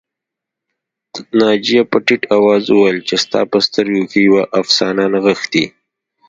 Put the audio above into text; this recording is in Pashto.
ناجیه په ټيټ آواز وویل ستا په سترګو کې یوه افسانه نغښتې